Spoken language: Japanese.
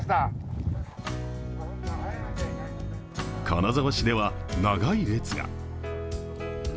金沢市では長い列が。